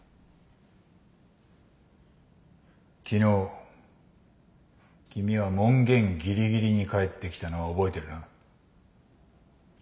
昨日君は門限ぎりぎりに帰ってきたのは覚えてるな？